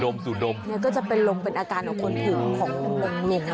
ต้องสูดโหมสูดโหมนี้ก็จะเป็นรมเป็นอาการของคนหนุนของมงเวร